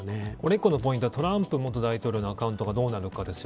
一つのポイントとしてトランプ元大統領のアカウントがどうなるかです。